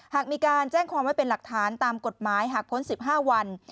หากมีการแจ้งความไว้เป็นหลักฐานตามกฎหมายหากพ้น๑๕วัน